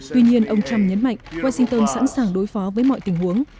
tuy nhiên ông trump nhấn mạnh washington sẵn sàng đối phó với mọi tình huống